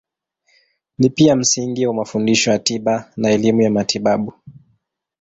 Ni pia msingi wa mafundisho ya tiba na elimu ya matibabu.